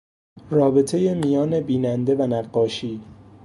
رابطهی میان بیننده و نقاشی